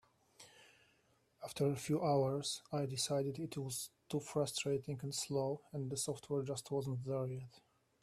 After a few hours I decided it was too frustrating and slow, and the software just wasn't there yet.